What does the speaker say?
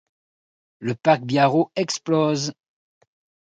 Le pack biarrot explose.